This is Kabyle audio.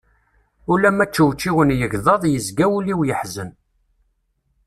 Ulamma ččewčiwen yegḍaḍ, yezga wul-iw yeḥzen.